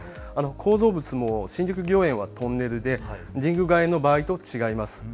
構造物も新宿御苑はトンネルで神宮外苑の場合と違います。